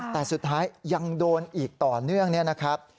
แต่สุดท้ายยังโดนอีกต่อเนื่องเนี่ยนะครับ